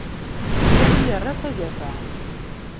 Sami yerra s agafa.